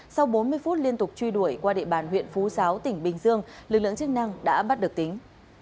sau bốn mươi phút liên tục truy đuổi qua địa bàn huyện phú giáo tỉnh bình dương lực lượng chức năng đã bắt được tính